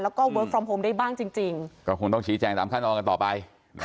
แล้วก็เวิร์คฟอร์มโฮมได้บ้างจริงก็คงต้องชี้แจงตามขั้นตอนกันต่อไป